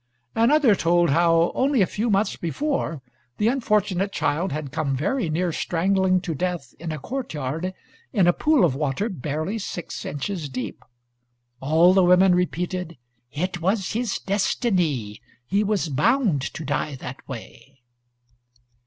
Another told how, only a few months before, the unfortunate child had come very near strangling to death in a courtyard in a pool of water barely six inches deep. All the women repeated, "It was his destiny. He was bound to die that way."